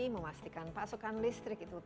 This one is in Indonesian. memastikan pasokan listrik itu